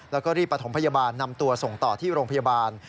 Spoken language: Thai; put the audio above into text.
แล้วก็รีบประถมพยาบาลนำตัวส่งต่อที่โรงพยาบาล